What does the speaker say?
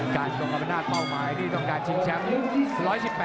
การตรงกำหนดเป้าหมายนี่ต้องการชิงแชมป์